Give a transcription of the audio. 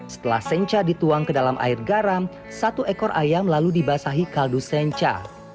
setelah senca dituang ke dalam air garam satu ekor ayam lalu dibasahi kaldu sencha